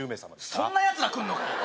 そんなやつら来るのかよ！